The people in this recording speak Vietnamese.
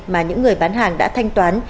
mà những người bán hàng đã thanh toán